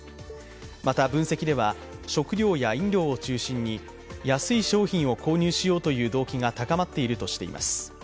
また、分析では食料や飲料を中心に安い商品を購入しようという動機が高まっているとしています。